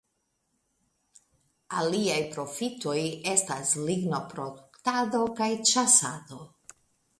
Aliaj profitoi estas lignoproduktado kaj ĉasado.